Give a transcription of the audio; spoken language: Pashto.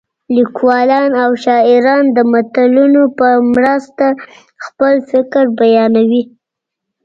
لیکوالان او شاعران د متلونو په مرسته خپل فکر بیانوي